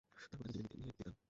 তারপর তাকে জিমে নামিয়ে দিতাম।